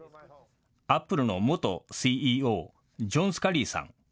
アップルの元ＣＥＯ、ジョン・スカリーさん。